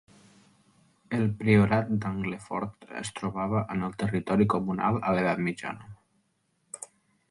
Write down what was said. El Priorat d'Anglefort es trobava en el territori comunal a l'Edat Mitjana.